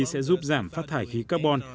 sẽ giúp giảm phát thải khí carbon